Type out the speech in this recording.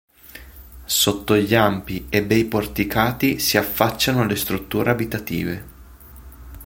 Sotto gli ampi e bei porticati si affacciano le strutture abitative.